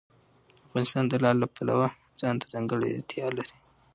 افغانستان د لعل د پلوه ځانته ځانګړتیا لري.